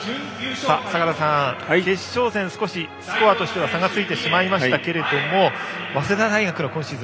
坂田さん、決勝戦少しスコアとしては差がついてしまいましたけれども早稲田大学の今シーズン